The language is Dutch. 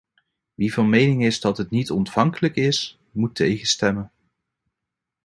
Wie van mening is dat het niet ontvankelijk is, moet tegen stemmen.